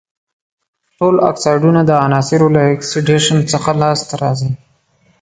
ټول اکسایدونه د عناصرو له اکسیدیشن څخه لاس ته راځي.